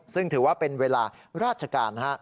ซึ่งถือว่าเป็นเวลาราชการนะฮะ